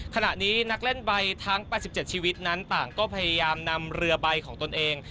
ขณะนี้นักเล่นใบทั้ง๘๗ชีวิตนั้นต่างก็พยายามนำเรือใบของตนเอง